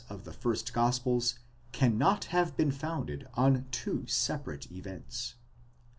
51: of the first gospels cannot have been founded on two separate events.